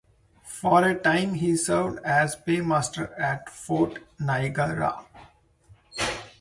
For a time, he served as paymaster at Fort Niagara.